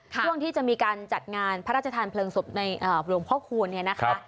ช่วงที่จะมีการจัดงานพระราชทานเพลิงศพในหลวงพ่อคูณเนี่ยนะคะ